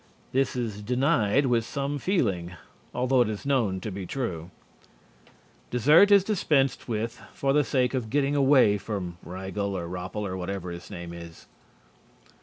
This is denied with some feeling, although it is known to be true. Dessert is dispensed with for the sake of getting away from Riegle or Ropple or whatever his name is.